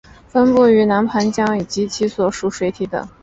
分布于南盘江及其所属水体等。